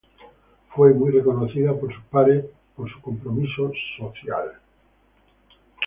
Fue muy reconocida por sus pares por su compromiso social.